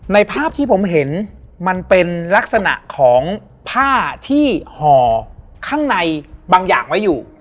ภาพที่ผมเห็นมันเป็นลักษณะของผ้าที่ห่อข้างในบางอย่างไว้อยู่